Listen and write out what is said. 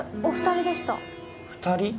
２人？